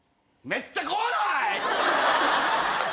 めっちゃ怖ない！？